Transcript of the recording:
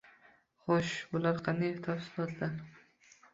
Xo‘sh, bular qanday tafsilotlar?